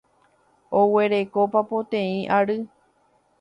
Oguereko papoteĩ ary.